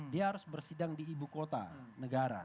dia harus bersidang di ibu kota negara